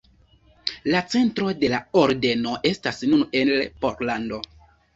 La centro de la ordeno estas nun en Pollando.